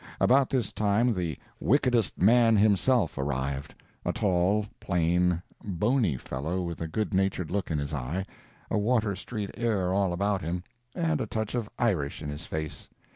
About this time the Wickedest Man himself arrived—a tall, plain, bony fellow with a good natured look in his eye, a Water street air all about him, and a touch of Irish in his face.